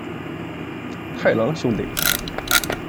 太郎兄弟。